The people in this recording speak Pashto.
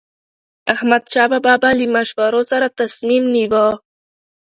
احمدشاه بابا به له مشورو سره تصمیم نیوه.